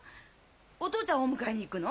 お父ちゃんをお迎えに行くの？